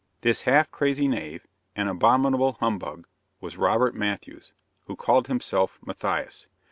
This half crazy knave and abominable humbug was Robert Matthews, who called himself Matthias.